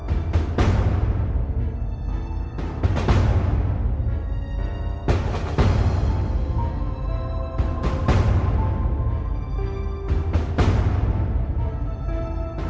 ความแจ้งความแล้วเราไปทำไปอะไรกับเขา